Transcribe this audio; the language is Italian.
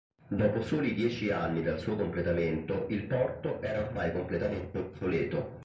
Dopo soli dieci anni dal suo completamento il porto era ormai completamente obsoleto.